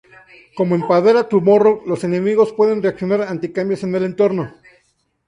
Como en Pandora Tomorrow, los enemigos pueden reaccionar ante cambios en el entorno.